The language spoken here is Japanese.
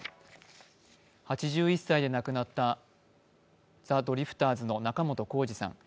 ８１歳で亡くなったザ・ドリフターズの仲本工事さん。